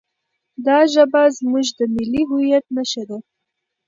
دا ژبه زموږ د ملي هویت نښه ده.